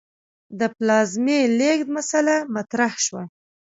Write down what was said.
د پلازمې لېږد مسئله مطرح شوه.